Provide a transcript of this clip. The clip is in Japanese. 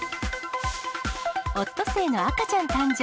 オットセイの赤ちゃん誕生。